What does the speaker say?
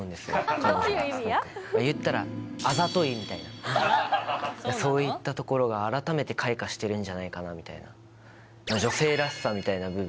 彼女がすごくまあ言ったら「あざとい」みたいなそういったところが改めて開花してるんじゃないかなみたいな女性らしさみたいな部分？